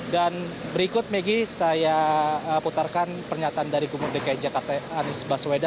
dan berikut megi saya putarkan pernyataan dari gubernur dki jakarta anies baswedan